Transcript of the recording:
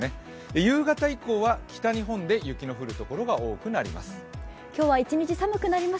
夕方以降は北日本で雪の降る所が多くなります。